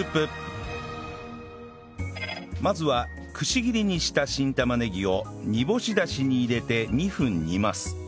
まずはくし切りにした新玉ねぎを煮干しダシに入れて２分煮ます